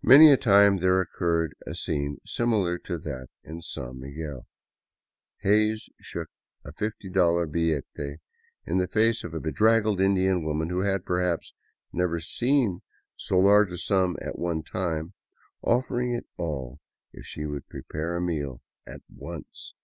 Many a time there occurred a scene similar to that at San Miguel. Hays shook a $50 billete in the face of a bedraggled Indian woman who had, perhaps, never before seen so large a sum at one time, offering it all if she would prepare a meal at once.